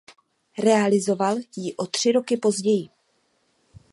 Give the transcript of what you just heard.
Realizoval ji o tři roky později.